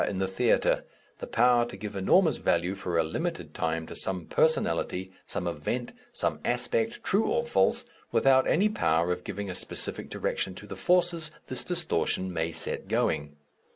in the theatre, the power to give enormous value for a limited time to some personality, some event, some aspect, true or false, without any power of giving a specific direction to the forces this distortion may set going.